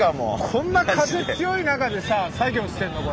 こんな風強い中でさ作業してるの？